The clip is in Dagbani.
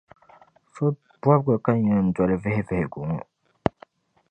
So’ bɔbigu ka n yɛn dɔli vihi vihigu ŋɔ.